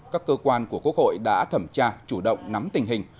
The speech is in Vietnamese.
các cơ quan của quốc hội đã thẩm tra chủ động nắm tình hình